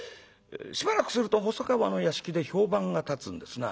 しばらくすると細川の屋敷で評判が立つんですな。